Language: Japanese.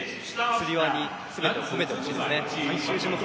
つり輪に全てを込めてほしいですね。